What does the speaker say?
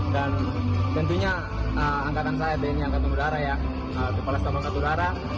dan tentunya angkatan saya tni angkatan udara kepala staf angkatan udara